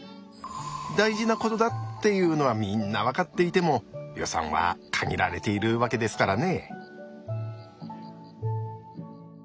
大事なことだっていうのはみんな分かっていても予算は限られているわけですからね。